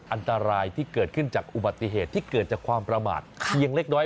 อันตรายที่เกิดขึ้นจากอุบัติเหตุที่เกิดจากความประมาทเพียงเล็กน้อย